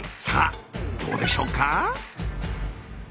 さあどうでしょうか？